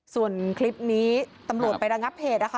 ส่วนคลิปนี้ตำรวจไประงับเหตุนะคะ